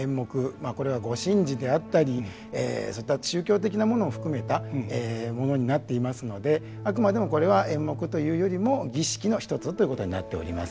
まあこれはご神事であったりそういった宗教的なものを含めたものになっていますのであくまでもこれは演目というよりも儀式の一つだということになっております。